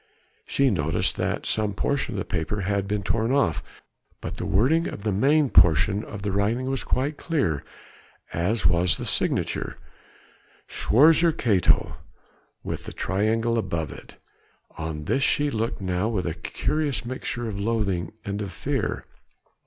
She noticed that some portion of the paper had been torn off, but the wording of the main portion of the writing was quite clear as was the signature "Schwarzer Kato" with the triangle above it. On this she looked now with a curious mixture of loathing and of fear.